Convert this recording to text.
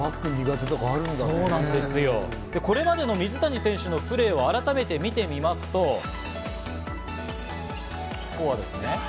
これまでの水谷選手のプレーを改めて見てみますと、フォアですね。